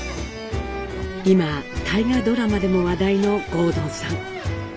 今大河ドラマでも話題の郷敦さん。